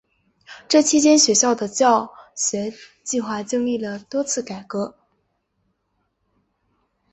这期间学校的教学计划经历了多次改革。